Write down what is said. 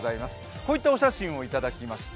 こういったお写真をいただきました。